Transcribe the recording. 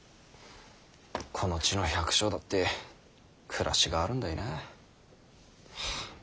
この地の百姓だって暮らしがあるんだいなあ。